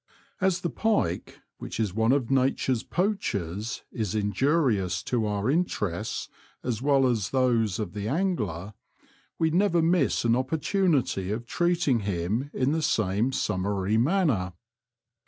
As the pike, which is one of nature's poachers, is injurious to our interests as well as those of the angler, we never miss an opportunity of treating him in the same summary manner.